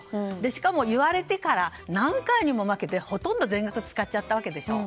しかもいわれてから何回にも分けてほとんど全額使っちゃったわけでしょ。